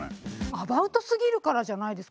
アバウトすぎるからじゃないですかね。